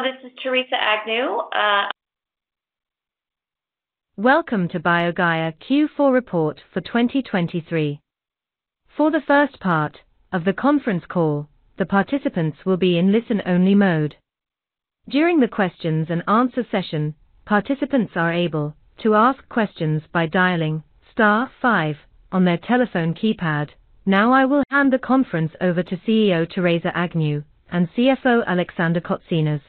Hello, this is Theresa Agnew. Welcome to BioGaia Q4 report for 2023. For the first part of the conference call, the participants will be in listen-only mode. During the questions and answer session, participants are able to ask questions by dialing star five on their telephone keypad. Now, I will hand the conference over to CEO, Theresa Agnew, and CFO, Alexander Kotsinas.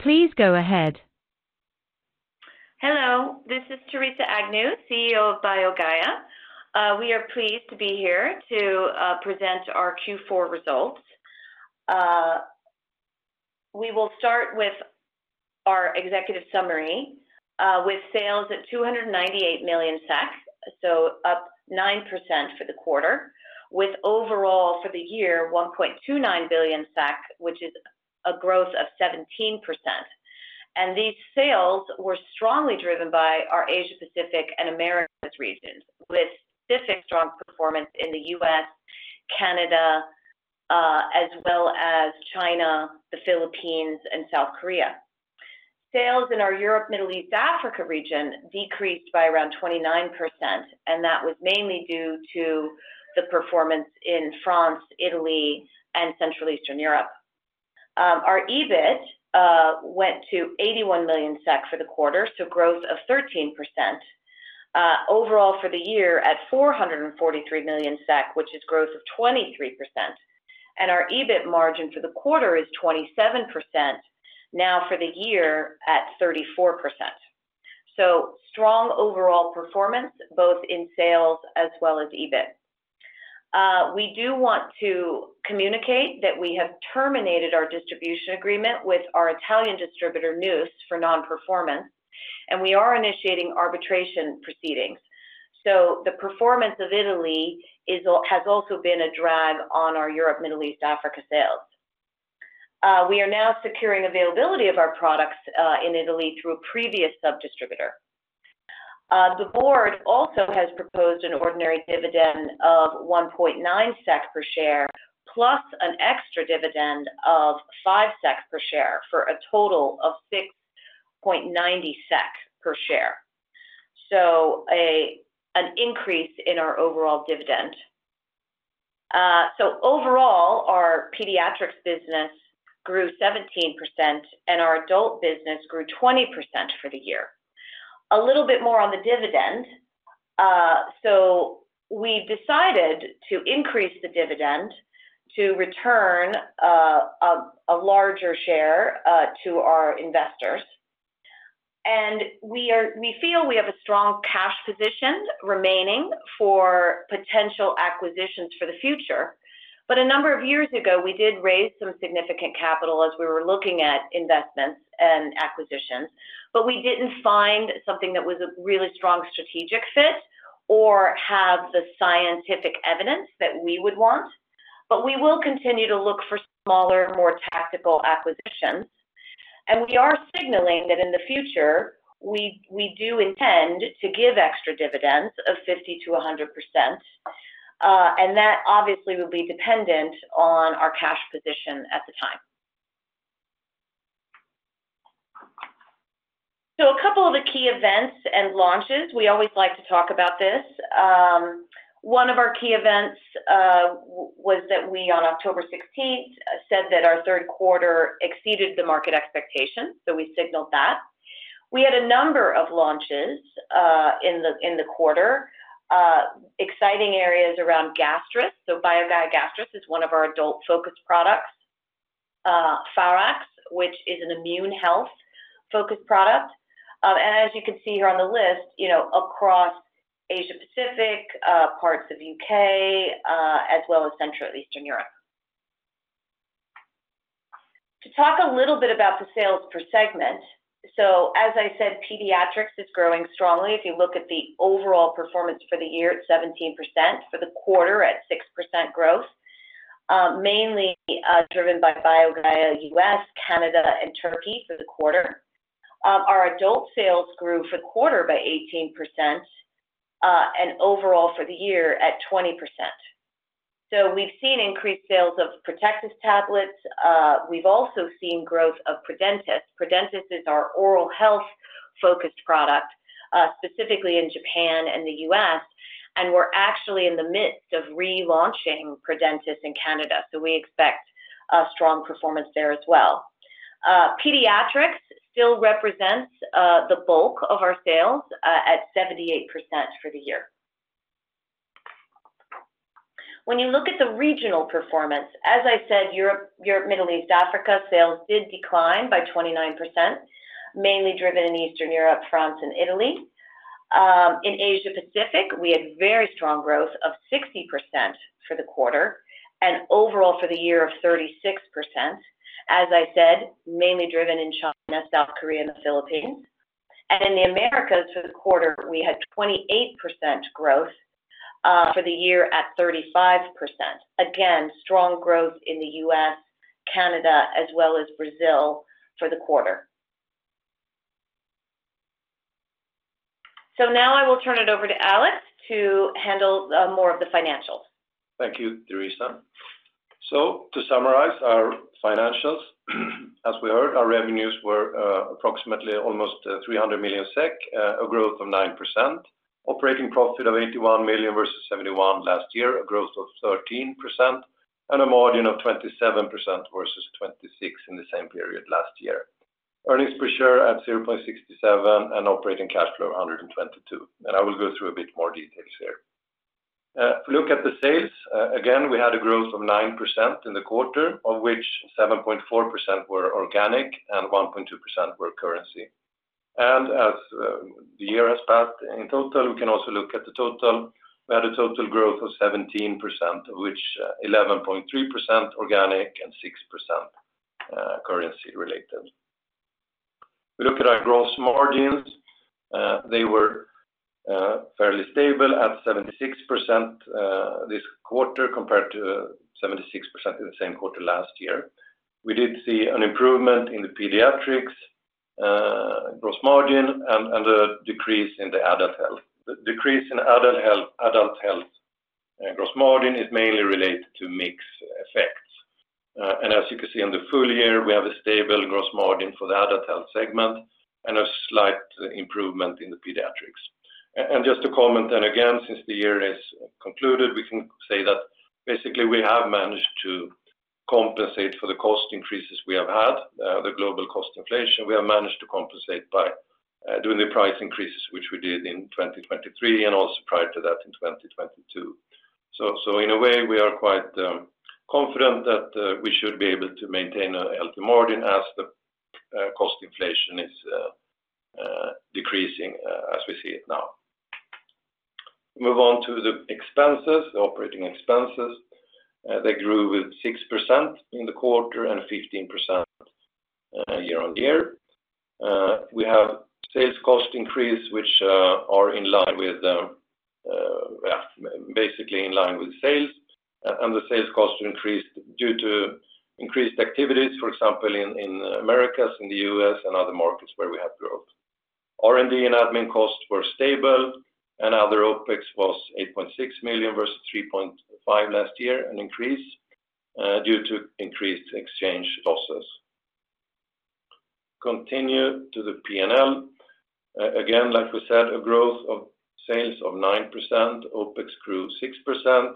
Please go ahead. Hello, this is Theresa Agnew, CEO of BioGaia. We are pleased to be here to present our Q4 results. We will start with our executive summary, with sales at 298 million SEK, so up 9% for the quarter, with overall for the year, 1.29 billion SEK, which is a growth of 17%. And these sales were strongly driven by our Asia Pacific and Americas regions, with specific strong performance in the U.S., Canada, as well as China, the Philippines and South Korea. Sales in our Europe, Middle East, Africa region decreased by around 29%, and that was mainly due to the performance in France, Italy, and Central Eastern Europe. Our EBIT went to 81 million SEK for the quarter, so growth of 13%. Overall for the year at 443 million SEK, which is growth of 23%, and our EBIT margin for the quarter is 27%, now for the year at 34%. So strong overall performance, both in sales as well as EBIT. We do want to communicate that we have terminated our distribution agreement with our Italian distributor, Noos, for non-performance, and we are initiating arbitration proceedings. So the performance of Italy has also been a drag on our Europe, Middle East, Africa sales. We are now securing availability of our products in Italy through a previous sub-distributor. The board also has proposed an ordinary dividend of 1.9 SEK per share, plus an extra dividend of 5 SEK per share, for a total of 6.90 SEK per share. So an increase in our overall dividend. So overall, our pediatrics business grew 17% and our adult business grew 20% for the year. A little bit more on the dividend. So we decided to increase the dividend to return a larger share to our investors. And we feel we have a strong cash position remaining for potential acquisitions for the future. But a number of years ago, we did raise some significant capital as we were looking at investments and acquisitions, but we didn't find something that was a really strong strategic fit or have the scientific evidence that we would want. But we will continue to look for smaller, more tactical acquisitions, and we are signaling that in the future, we do intend to give extra dividends of 50%-100%, and that obviously will be dependent on our cash position at the time. So a couple of the key events and launches, we always like to talk about this. One of our key events was that we, on October 16, said that our third quarter exceeded the market expectations, so we signaled that. We had a number of launches in the quarter, exciting areas around Gastrus. So BioGaia Gastrus is one of our adult-focused products, Pharax, which is an immune health-focused product. And as you can see here on the list, you know, across Asia Pacific, parts of the U.K., as well as Central Eastern Europe. To talk a little bit about the sales per segment. So as I said, pediatrics is growing strongly. If you look at the overall performance for the year, at 17%, for the quarter at 6% growth, mainly, driven by BioGaia USA, Canada, and Turkey for the quarter. Our adult sales grew for quarter by 18%, and overall for the year at 20%. So we've seen increased sales of Protectis tablets. We've also seen growth of Prodentis. Prodentis is our oral health-focused product, specifically in Japan and the U.S., and we're actually in the midst of relaunching Prodentis in Canada, so we expect a strong performance there as well. Pediatrics still represents the bulk of our sales, at 78% for the year. When you look at the regional performance, as I said, Europe, Europe, Middle East, Africa, sales did decline by 29%, mainly driven in Eastern Europe, France and Italy. In Asia Pacific, we had very strong growth of 60% for the quarter and overall for the year of 36%, as I said, mainly driven in China, South Korea, and the Philippines. And in the Americas for the quarter, we had 28% growth, for the year at 35%. Again, strong growth in the U.S., Canada, as well as Brazil for the quarter so now I will turn it over to Alex to handle more of the financials. Thank you, Theresa. So to summarize our financials, as we heard, our revenues were approximately almost 300 million SEK, a growth of 9%. Operating profit of 81 million SEK versus 71 million SEK last year, a growth of 13%, and a margin of 27% versus 26% in the same period last year. Earnings per share at 0.67, and operating cash flow 122 million SEK. And I will go through a bit more details here. If we look at the sales, again, we had a growth of 9% in the quarter, of which 7.4% were organic and 1.2% were currency. And as the year has passed, in total, we can also look at the total. We had a total growth of 17%, of which 11.3% organic and 6% currency related. We look at our gross margins, they were fairly stable at 76%, this quarter, compared to 76% in the same quarter last year. We did see an improvement in the pediatrics gross margin and a decrease in the adult health. The decrease in adult health gross margin is mainly related to mix effects. And as you can see on the full year, we have a stable gross margin for the adult health segment and a slight improvement in the pediatrics. And just to comment, and again, since the year is concluded, we can say that basically we have managed to compensate for the cost increases we have had. The global cost inflation, we have managed to compensate by doing the price increases, which we did in 2023, and also prior to that, in 2022. So in a way, we are quite confident that we should be able to maintain a healthy margin as the cost inflation is decreasing as we see it now. Move on to the expenses, the operating expenses. They grew with 6% in the quarter and 15%, year-on-year. We have sales cost increase, which are in line with basically in line with sales. And the sales cost increased due to increased activities, for example, in Americas, in the U.S., and other markets where we have growth. R&D and admin costs were stable, and other OpEx was 8.6 million versus 3.5 million last year, an increase due to increased exchange losses. Continue to the P&L. Again, like we said, a growth of sales of 9%, OpEx grew 6%,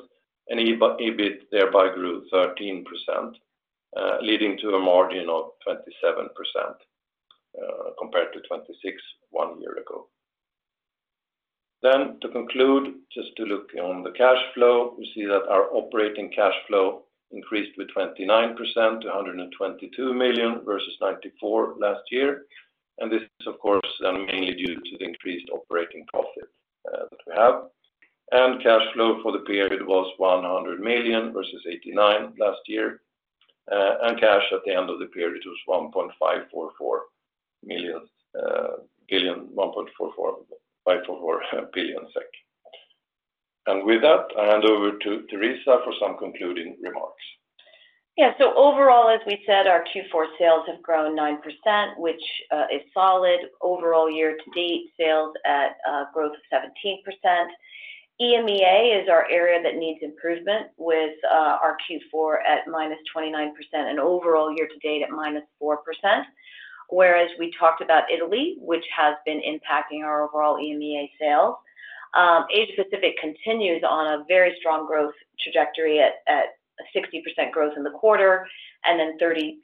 and EBIT thereby grew 13%, leading to a margin of 27%, compared to 26% one year ago. Then to conclude, just to look on the cash flow, we see that our operating cash flow increased with 29% to 122 million versus 94 million last year. And this is, of course, mainly due to the increased operating profit that we have. And cash flow for the period was 100 million versus 89 million last year. Cash at the end of the period was SEK 1.544 billion. And with that, I hand over to Theresa for some concluding remarks. Yeah. So overall, as we said, our Q4 sales have grown 9%, which is solid. Overall year to date, sales at a growth of 17%. EMEA is our area that needs improvement, with our Q4 at -29% and overall year to date at -4%. Whereas we talked about Italy, which has been impacting our overall EMEA sales. Asia Pacific continues on a very strong growth trajectory at 60% growth in the quarter, and then 36%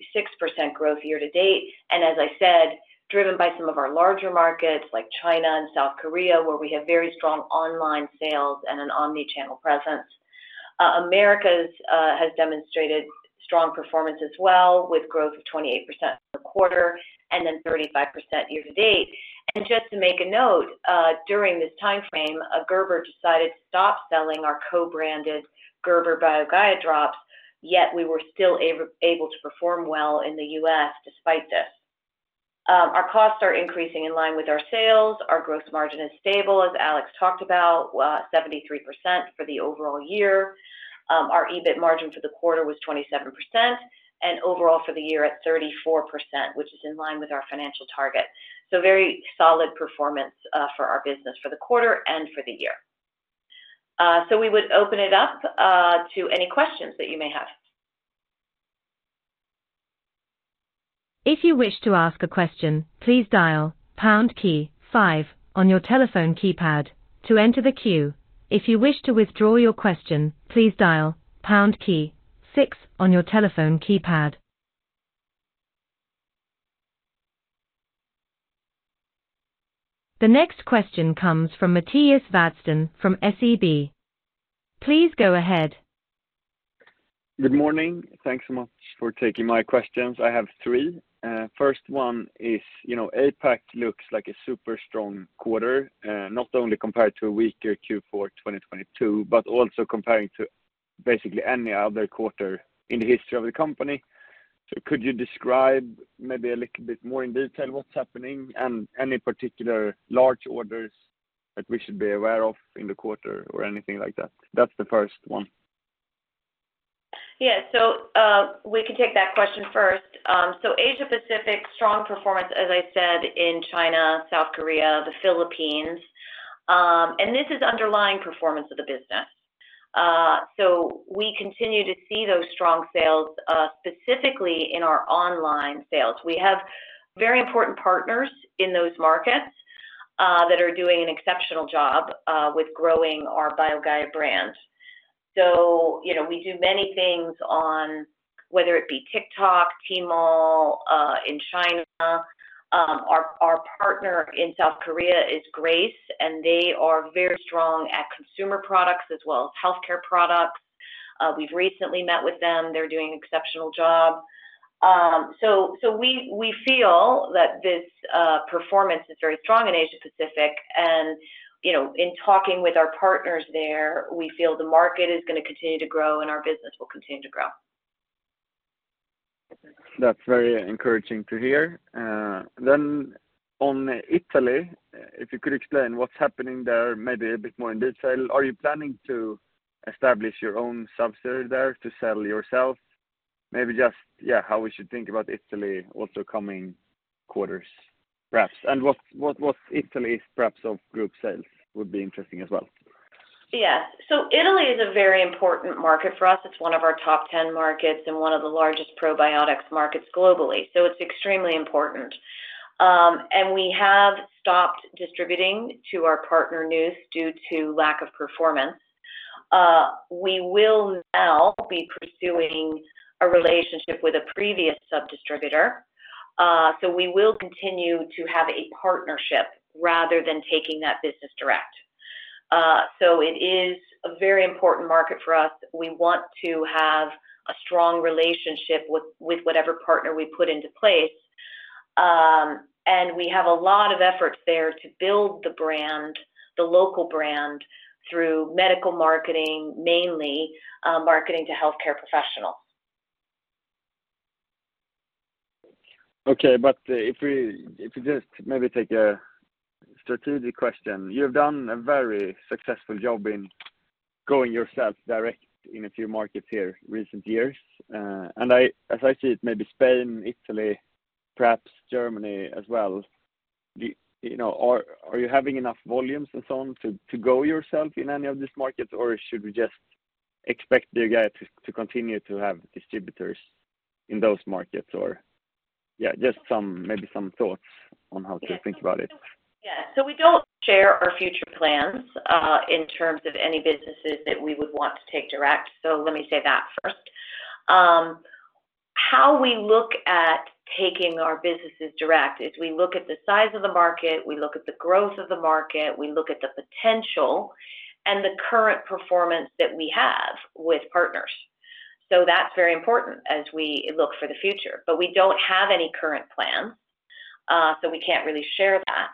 growth year to date. And as I said, driven by some of our larger markets like China and South Korea, where we have very strong online sales and an omni-channel presence. Americas has demonstrated strong performance as well, with growth of 28% per quarter and then 35% year to date. Just to make a note, during this time frame, Gerber decided to stop selling our co-branded Gerber BioGaia drops, yet we were still able to perform well in the U.S. despite this. Our costs are increasing in line with our sales. Our gross margin is stable, as Alex talked about, 73% for the overall year. Our EBIT margin for the quarter was 27%, and overall for the year at 34%, which is in line with our financial target. So very solid performance for our business for the quarter and for the year. So we would open it up to any questions that you may have. If you wish to ask a question, please dial pound key five on your telephone keypad to enter the queue. If you wish to withdraw your question, please dial pound key six on your telephone keypad. The next question comes from Mattias Vadsten from SEB. Please go ahead. Good morning. Thanks so much for taking my questions. I have three. First one is, you know, APAC looks like a super strong quarter, not only compared to a weaker Q4 2022, but also comparing to basically any other quarter in the history of the company. So could you describe maybe a little bit more in detail what's happening and any particular large orders that we should be aware of in the quarter or anything like that? That's the first one. Yeah, so, we can take that question first. So Asia Pacific, strong performance, as I said, in China, South Korea, the Philippines. And this is underlying performance of the business. So we continue to see those strong sales, specifically in our online sales. We have very important partners in those markets, that are doing an exceptional job, with growing our BioGaia brand. So, you know, we do many things on whether it be TikTok, Tmall, in China. Our partner in South Korea is Grace, and they are very strong at consumer products as well as healthcare products. We've recently met with them. They're doing an exceptional job. We feel that this performance is very strong in Asia Pacific, and, you know, in talking with our partners there, we feel the market is gonna continue to grow, and our business will continue to grow. That's very encouraging to hear. Then on Italy, if you could explain what's happening there, maybe a bit more in detail. Are you planning to establish your own subsidiary there to sell yourself? Maybe just, yeah, how we should think about Italy also coming quarters, perhaps, and what Italy perhaps of group sales would be interesting as well. Yeah. So Italy is a very important market for us. It's one of our top ten markets and one of the largest probiotics markets globally, so it's extremely important. And we have stopped distributing to our partner Noos due to lack of performance. We will now be pursuing a relationship with a previous sub-distributor. So we will continue to have a partnership rather than taking that business direct. So it is a very important market for us. We want to have a strong relationship with, with whatever partner we put into place. And we have a lot of effort there to build the brand, the local brand, through medical marketing, mainly, marketing to healthcare professionals. Okay, but if we just maybe take a strategic question. You've done a very successful job in going yourself direct in a few markets here recent years. And as I see it, maybe Spain, Italy, perhaps Germany as well. Do you know, are you having enough volumes and so on to go yourself in any of these markets, or should we just expect you guys to continue to have distributors in those markets? Or, yeah, just some, maybe some thoughts on how to think about it. Yeah. So we don't share our future plans, in terms of any businesses that we would want to take direct. Let me say that first. How we look at taking our businesses direct is we look at the size of the market, we look at the growth of the market, we look at the potential and the current performance that we have with partners. That's very important as we look for the future. But we don't have any current plans, so we can't really share that.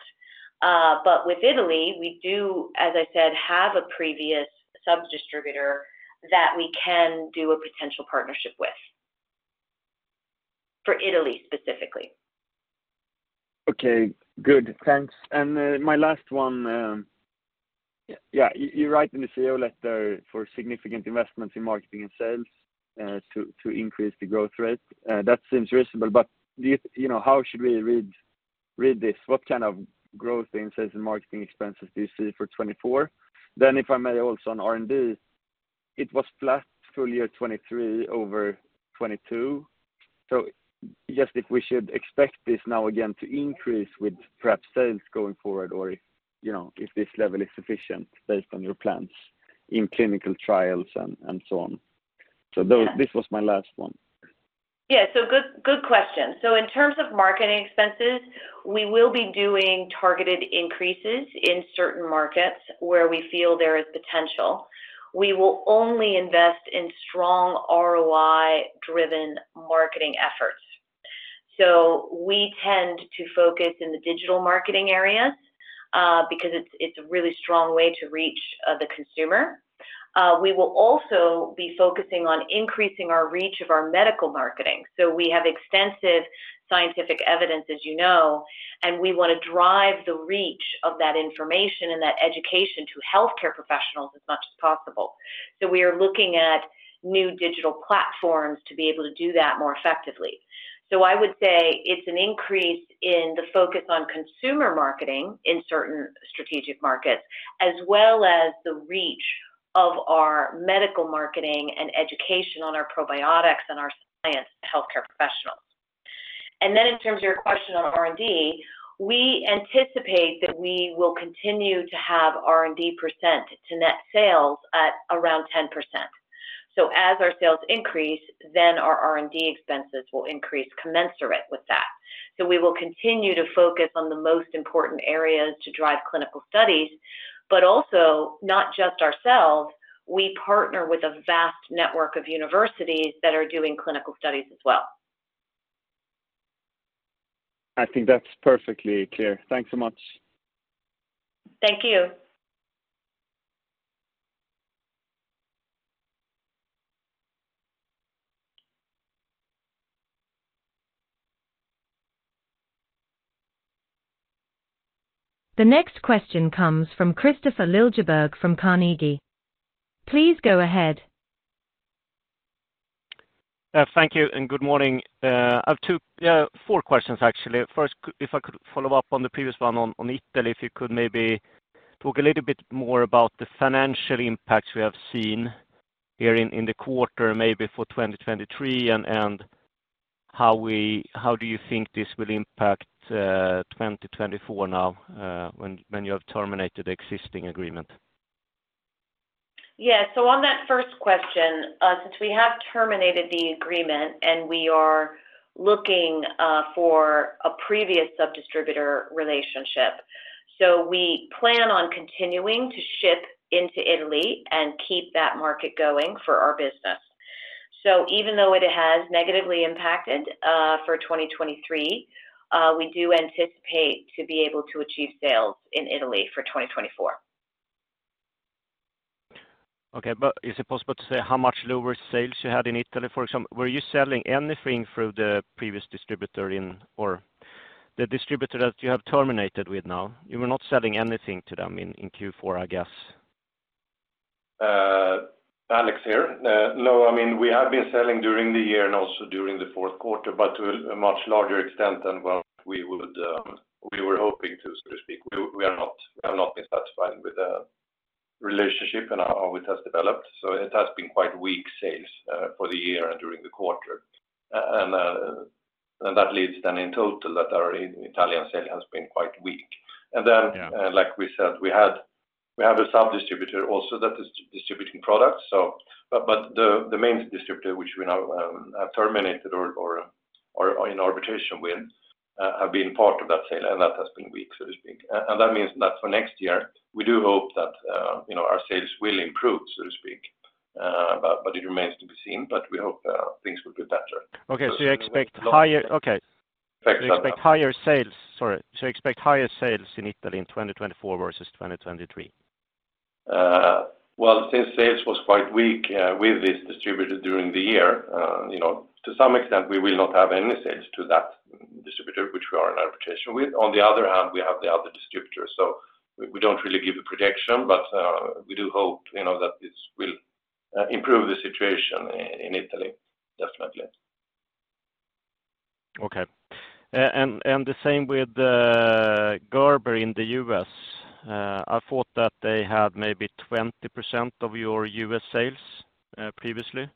But with Italy, we do, as I said, have a previous sub-distributor that we can do a potential partnership with, for Italy, specifically. Okay, good. Thanks. And, my last one, yeah, you, you write in the CEO letter for significant investments in marketing and sales, to, to increase the growth rate. That seems reasonable, but do you... You know, how should we read, read this? What kind of growth in sales and marketing expenses do you see for 2024? Then if I may, also on R&D, it was flat full year 2023 over 2022. So just if we should expect this now again to increase with perhaps sales going forward or, you know, if this level is sufficient based on your plans in clinical trials and, and so on. So those- Yeah. This was my last one. Yeah, so good, good question. So in terms of marketing expenses, we will be doing targeted increases in certain markets where we feel there is potential. We will only invest in strong ROI-driven marketing efforts. So we tend to focus in the digital marketing area, because it's, it's a really strong way to reach, the consumer. We will also be focusing on increasing our reach of our medical marketing. So we have extensive scientific evidence, as you know, and we want to drive the reach of that information and that education to healthcare professionals as much as possible. So we are looking at new digital platforms to be able to do that more effectively. So I would say it's an increase in the focus on consumer marketing in certain strategic markets, as well as the reach of our medical marketing and education on our probiotics and our science to healthcare professionals. And then in terms of your question on R&D, we anticipate that we will continue to have R&D percent to net sales at around 10%. So as our sales increase, then our R&D expenses will increase commensurate with that. So we will continue to focus on the most important areas to drive clinical studies, but also, not just ourselves, we partner with a vast network of universities that are doing clinical studies as well. I think that's perfectly clear. Thanks so much. Thank you. The next question comes from Kristofer Liljeberg from Carnegie. Please go ahead. Thank you, and good morning. I have two, yeah, four questions, actually. First, if I could follow up on the previous one on, on Italy, if you could maybe talk a little bit more about the financial impacts we have seen here in, in the quarter, maybe for 2023, and, and how we-- how do you think this will impact, 2024 now, when, when you have terminated the existing agreement? Yeah. So on that first question, since we have terminated the agreement, and we are looking for a previous sub-distributor relationship, so we plan on continuing to ship into Italy and keep that market going for our business. So even though it has negatively impacted for 2023, we do anticipate to be able to achieve sales in Italy for 2024. Okay, but is it possible to say how much lower sales you had in Italy? For example, were you selling anything through the previous distributor in or the distributor that you have terminated with now? You were not selling anything to them in Q4, I guess. Alex here. No, I mean, we have been selling during the year and also during the fourth quarter, but to a much larger extent than what we would, we were hoping to, so to speak. We are not, we have not been satisfied with the relationship and how it has developed, so it has been quite weak sales for the year and during the quarter. And that leads then in total, that our Italian sale has been quite weak. Yeah. Then, like we said, we have a sub-distributor also that is distributing products, so, but the main distributor, which we now have terminated or are in arbitration with, have been part of that sale, and that has been weak, so to speak. And that means that for next year, we do hope that, you know, our sales will improve, so to speak, but it remains to be seen, but we hope things will be better. Okay, so you expect higherOkay. Sorry. You expect higher sales, sorry. So you expect higher sales in Italy in 2024 versus 2023? Well, since sales was quite weak with this distributor during the year, you know, to some extent, we will not have any sales to that distributor, which we are in arbitration with. On the other hand, we have the other distributor, so we don't really give a projection, but we do hope, you know, that this will improve the situation in Italy, definitely. Okay. And the same with Gerber in the U.S. I thought that they had maybe 20% of your U.S. sales previously.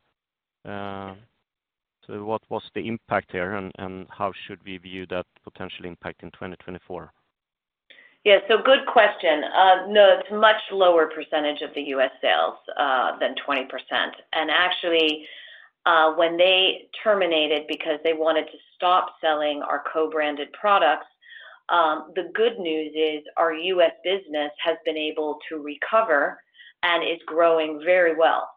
So what was the impact here, and how should we view that potential impact in 2024? Yeah, so good question. No, it's a much lower percentage of the U.S. sales than 20%. And actually, when they terminated because they wanted to stop selling our co-branded products, the good news is our U.S. business has been able to recover and is growing very well.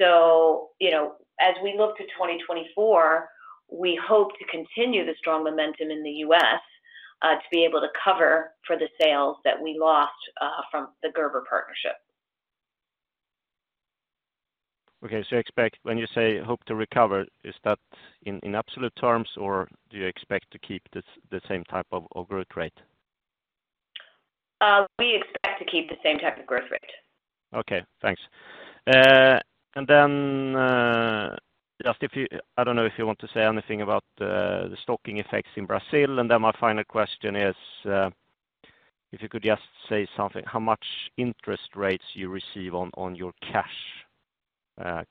So, you know, as we look to 2024, we hope to continue the strong momentum in the U.S., to be able to cover for the sales that we lost from the Gerber partnership. Okay, so you expect, when you say, "hope to recover," is that in absolute terms, or do you expect to keep the same type of growth rate? We expect to keep the same type of growth rate. Okay, thanks. And then, just if you... I don't know if you want to say anything about the, the stocking effects in Brazil, and then my final question is, if you could just say something, how much interest rates you receive on, on your cash,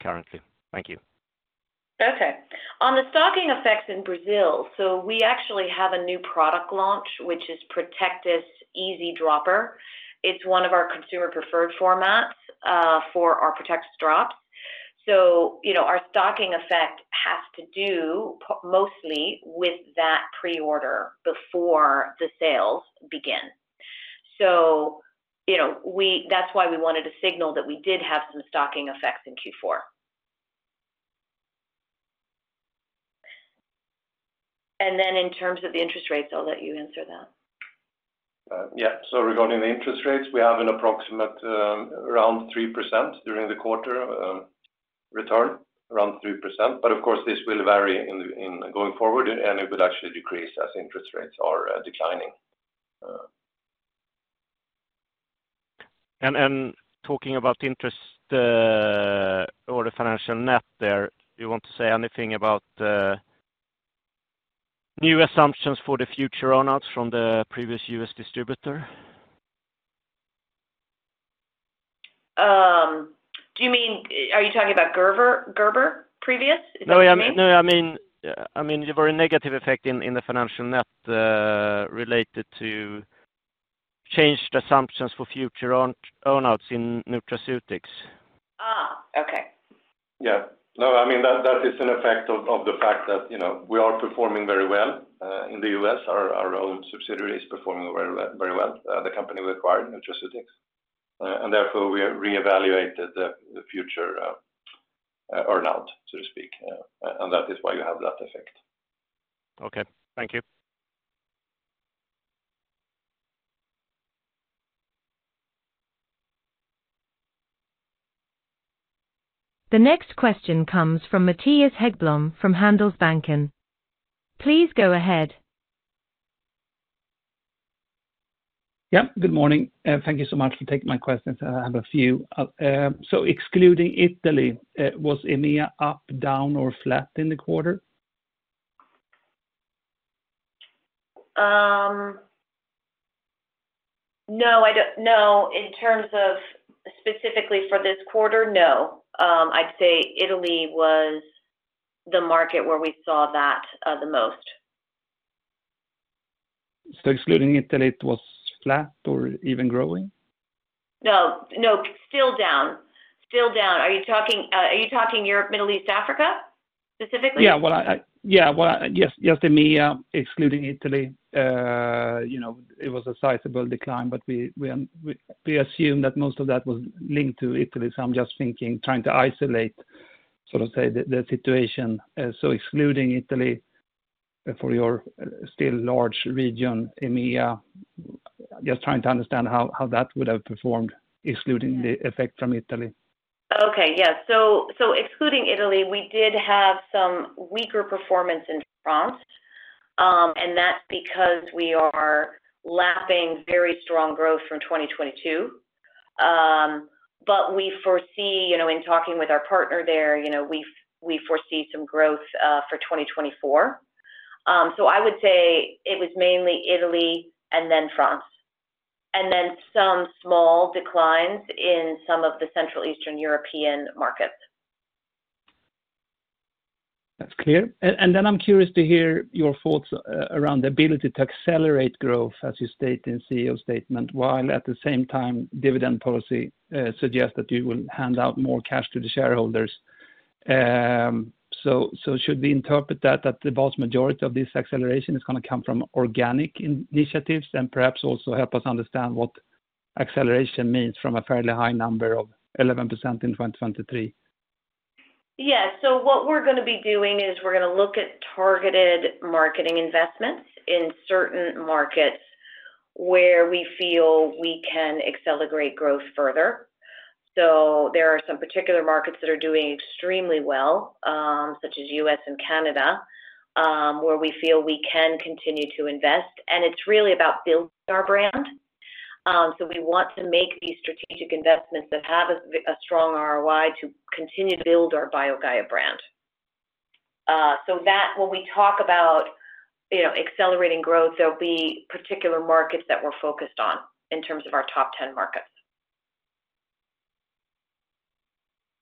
currently? Thank you. Okay. On the stocking effects in Brazil, so we actually have a new product launch, which is Protectis Easy Dropper. It's one of our consumer preferred formats for our Protectis drops. So, you know, our stocking effect has to do mostly with that pre-order before the sales begin. So, you know, we-- that's why we wanted to signal that we did have some stocking effects in Q4. And then in terms of the interest rates, I'll let you answer that. Yeah. So regarding the interest rates, we have an approximate around 3% during the quarter return, around 3%, but of course, this will vary in going forward, and it will actually decrease as interest rates are declining. Talking about interest, or the financial net there, you want to say anything about new assumptions for the future earn-outs from the previous U.S. distributor? Do you mean, are you talking about Gerber, Gerber previous? Is that what you mean? No, I mean, no, I mean, your negative effect in the financial net related to changed assumptions for future earn-outs in Nutraceutics. Ah, okay. Yeah. No, I mean, that, that is an effect of, of the fact that, you know, we are performing very well in the US. Our, our own subsidiary is performing very well, very well, the company we acquired, Nutraceutics. And therefore, we reevaluated the, the future, earn-out, so to speak, and that is why you have that effect. Okay, thank you. The next question comes from Mattias Häggblom from Handelsbanken. Please go ahead. Yep, good morning, and thank you so much for taking my questions. I have a few. So excluding Italy, was EMEA up, down, or flat in the quarter? No, I don't. No, in terms of specifically for this quarter, no. I'd say Italy was the market where we saw that the most. Excluding Italy, it was flat or even growing? No, no. Still down. Still down. Are you talking Europe, Middle East, Africa, specifically? Yeah, well, yeah. Well, yes, just EMEA excluding Italy. You know, it was a sizable decline, but we assume that most of that was linked to Italy. So I'm just thinking, trying to isolate, so to say, the situation. So excluding Italy, for your still large region, EMEA, just trying to understand how that would have performed excluding the effect from Italy. Okay. Yeah. So, excluding Italy, we did have some weaker performance in France, and that's because we are lapping very strong growth from 2022. But we foresee, you know, in talking with our partner there, you know, we foresee some growth for 2024. So I would say it was mainly Italy and then France, and then some small declines in some of the Central Eastern European markets. That's clear. And then I'm curious to hear your thoughts around the ability to accelerate growth, as you state in CEO statement, while at the same time, dividend policy suggests that you will hand out more cash to the shareholders. So should we interpret that the vast majority of this acceleration is gonna come from organic initiatives? And perhaps also help us understand what acceleration means from a fairly high number of 11% in 2023. Yeah. So what we're gonna be doing is we're gonna look at targeted marketing investments in certain markets where we feel we can accelerate growth further. So there are some particular markets that are doing extremely well, such as US and Canada, where we feel we can continue to invest, and it's really about building our brand. So we want to make these strategic investments that have a strong ROI to continue to build our BioGaia brand. So that when we talk about, you know, accelerating growth, there'll be particular markets that we're focused on in terms of our top 10 markets.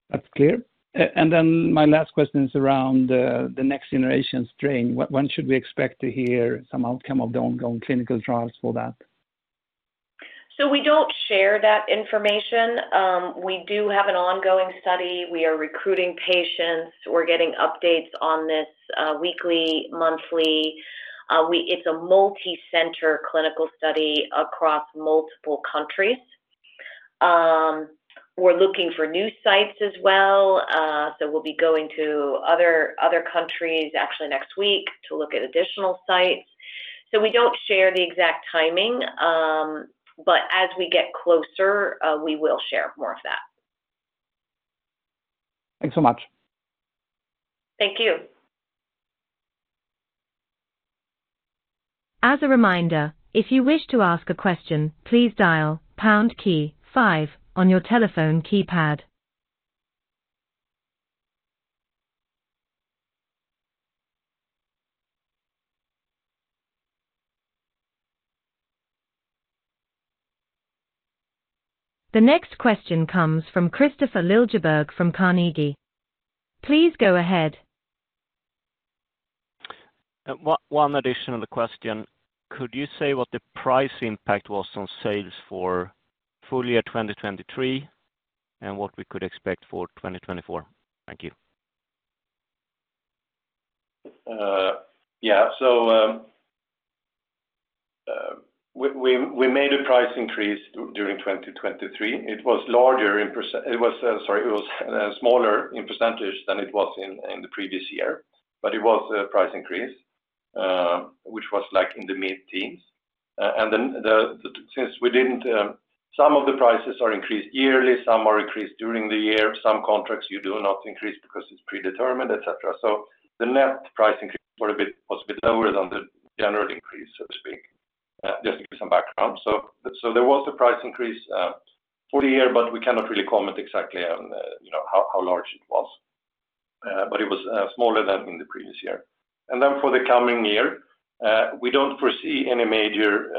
That's clear. And then my last question is around the next generation strain. When should we expect to hear some outcome of the ongoing clinical trials for that? So we don't share that information. We do have an ongoing study. We are recruiting patients. We're getting updates on this, weekly, monthly. It's a multicenter clinical study across multiple countries. We're looking for new sites as well, so we'll be going to other countries actually next week to look at additional sites. So we don't share the exact timing, but as we get closer, we will share more of that. Thanks so much. Thank you. As a reminder, if you wish to ask a question, please dial pound key five on your telephone keypad. The next question comes from Kristofer Liljeberg from Carnegie. Please go ahead. One additional question. Could you say what the price impact was on sales for full year 2023, and what we could expect for 2024? Thank you. Yeah. So, we made a price increase during 2023. It was, sorry, it was smaller in percentage than it was in the previous year, but it was a price increase, which was like in the mid-teens. And then, since we didn't... Some of the prices are increased yearly, some are increased during the year, some contracts you do not increase because it's predetermined, et cetera. So the net price increase were a bit, was a bit lower than the general increase, so to speak. Just to give some background. So, there was a price increase for the year, but we cannot really comment exactly on, you know, how large it was, but it was smaller than in the previous year. And then for the coming year, we don't foresee any major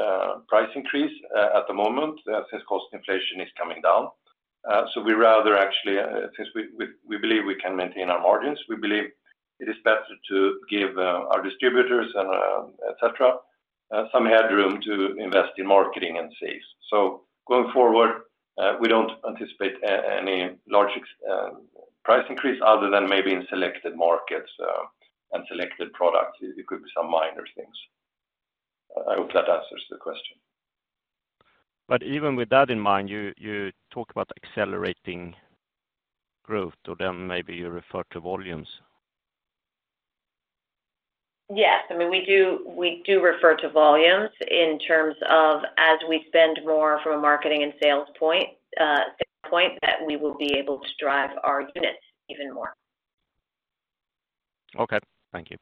price increase at the moment, since cost inflation is coming down. So we rather actually, since we believe we can maintain our margins, we believe it is better to give our distributors and et cetera some headroom to invest in marketing and sales. So going forward, we don't anticipate any large price increase other than maybe in selected markets and selected products. It could be some minor things. I hope that answers the question. Even with that in mind, you, you talk about accelerating growth, or then maybe you refer to volumes. Yes. I mean, we do, we do refer to volumes in terms of as we spend more from a marketing and sales point, sales point, that we will be able to drive our units even more. Okay, thank you.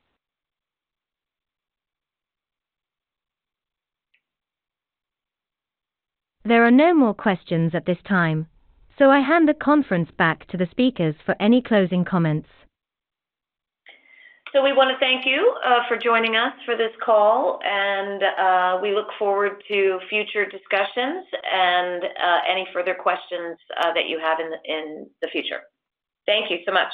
There are no more questions at this time, so I hand the conference back to the speakers for any closing comments. We want to thank you for joining us for this call, and we look forward to future discussions and any further questions that you have in the future. Thank you so much.